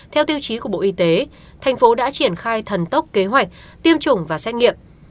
theo tiêu chí của bộ y tế thành phố đã triển khai thần tốc kế hoạch tiêm chủng và xét nghiệm